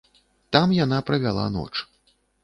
Там яна правяла ноч.